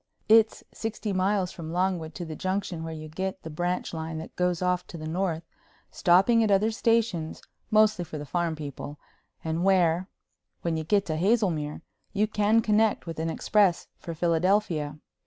It's sixty miles from Longwood to the Junction where you get the branch line that goes off to the North, stopping at other stations, mostly for the farm people, and where, when you get to Hazelmere, you can connect with an express for Philadelphia.